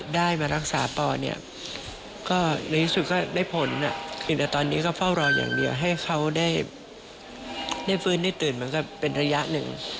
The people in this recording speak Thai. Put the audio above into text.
ได้ฟื้นได้ตื่นมันก็เป็นระยะหนึ่ง